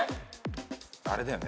あれだよね